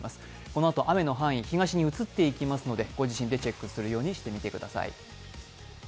このあと雨の範囲、東に移っていきますのでご自身でチェックするようにしてみてください。